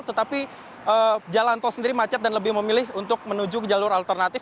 tetapi jalan tol sendiri macet dan lebih memilih untuk menuju ke jalur alternatif